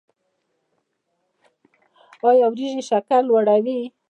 ایا وریجې شکر لوړوي؟